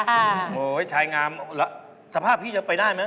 โอ้โหชายงามแล้วสภาพพี่จะไปได้ไหม